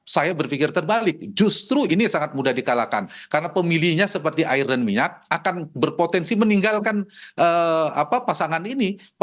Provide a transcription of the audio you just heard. saya berpikir terbalik justru ini sangat mudah dikalahkan karena pemilihnya seperti air dan minyak akan berpotensi meninggalkan pasangan ini